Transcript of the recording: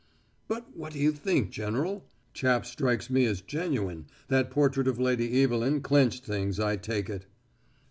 "But what do you think, General? Chap strikes me as genuine that portrait of Lady Evelyn clenched things, I take it."